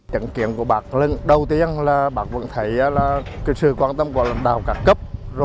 trận kiệm của bác lần đầu tiên là bác vẫn thấy sự quan tâm của lần đầu các cấp